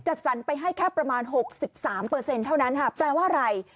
สรรไปให้แค่ประมาณ๖๓เท่านั้นค่ะแปลว่าอะไร